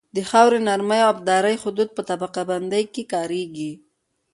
د خاورې د نرمۍ او ابدارۍ حدود په طبقه بندۍ کې کاریږي